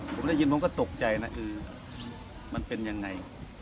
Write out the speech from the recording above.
ผมได้ยินผมก็ตกใจนะคือมันเป็นยังไง